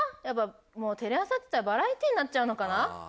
やっぱテレ朝っていったらバラエティーになっちゃうのかな？